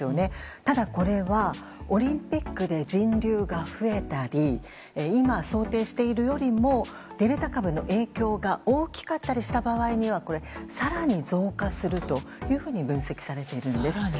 ただ、これはオリンピックで人流が増えたり今、想定しているよりもデルタ株の影響が大きかったりした場合には更に増加するというふうに分析されているんです。